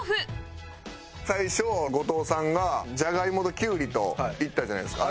最初後藤さんがジャガイモときゅうりといったじゃないですか。